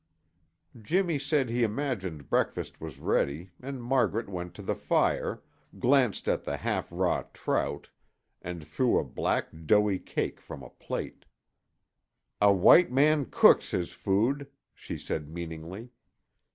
Jimmy said he imagined breakfast was ready and Margaret went to the fire, glanced at the half raw trout, and threw a black, doughy cake from a plate. "A white man cooks his food," she said meaningly.